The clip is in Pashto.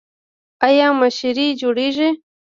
آیا مشاعرې جوړیږي؟